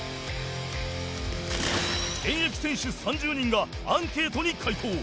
現役選手３０人がアンケートに回答